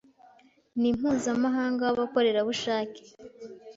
ni mpuzamahanga w’abakorerabushake